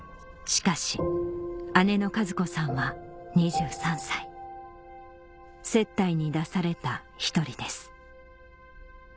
しかし姉の和子さんは２３歳接待に出された１人です